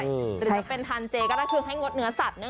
แต่ถ้าเป็นทานเจก็ได้เคลื่อนไห้งดเนื้อสัตว์